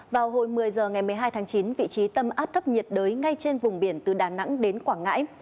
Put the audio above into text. vào hồi một mươi h ngày một mươi hai tháng chín vị trí tâm áp thấp nhiệt đới ngay trên vùng biển từ đà nẵng đến quảng ngãi